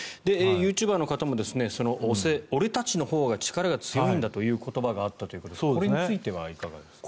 ユーチューバーの方も押せ、俺たちのほうが力が強いんだという言葉があったということでこれについてはいかがですか。